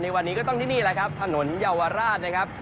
วันนี้ก็ต้องที่นี่แหละครับถนนเยาวราชนะครับ